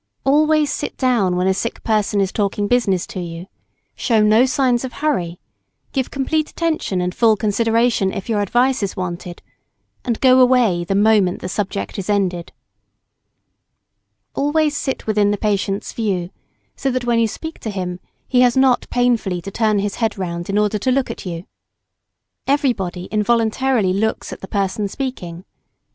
Always sit down when a sick person is talking business to you, show no signs of hurry give complete attention and full consideration if your advice is wanted, and go away the moment the subject is ended. [Sidenote: How to visit the sick and not hurt them.] Always sit within the patient's view, so that when you speak to him he has not painfully to turn his head round in order to look at you. Everybody involuntarily looks at the person speaking.